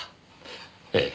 ええ。